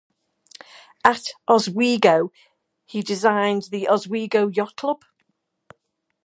At Oswego he designed the Oswego Yacht Club.